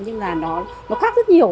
nhưng mà nó khác rất nhiều